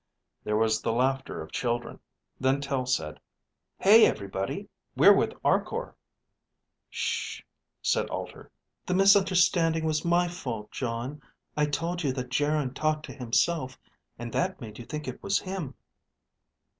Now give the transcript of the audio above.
_ There was the laughter of children. Then Tel said, Hey, everybody, we're with Arkor. Shhh, said Alter. _The misunderstanding was my fault, Jon. I told you that Geryn talked to himself, and that made you think it was him.